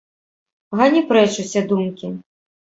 Гані прэч усе думкі.